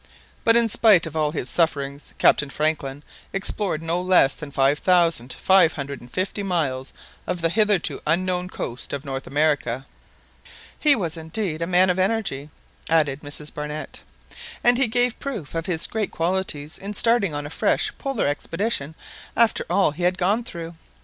But in spite of all his sufferings, Captain Franklin explored no less than five thousand five hundred and fifty miles of the hitherto unknown coast of North America!" "He was indeed a man of energy," added Mrs Barnett; "and he gave proof of his great qualities in starting on a fresh Polar expedition after all he had gone through."